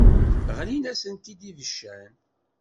Ɣlin-asent-id ibeccan.